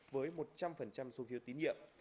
với một trăm linh số phiêu tín nhiệm